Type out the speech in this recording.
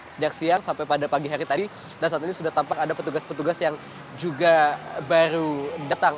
sejak siang sampai pada pagi hari tadi dan saat ini sudah tampak ada petugas petugas yang juga baru datang